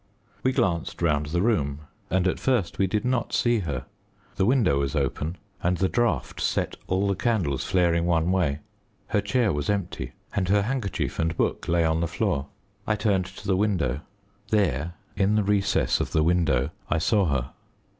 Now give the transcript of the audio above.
We glanced round the room, and at first we did not see her. The window was open, and the draught set all the candles flaring one way. Her chair was empty and her handkerchief and book lay on the floor. I turned to the window. There, in the recess of the window, I saw her.